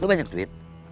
lu banyak duit